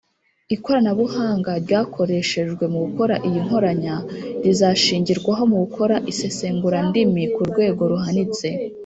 Ikoranabuhanga ryakoreshejwe mugukora iyi nkoranya rizashingirwaho mu gukora isesengurandimi ku rwego ruhanitse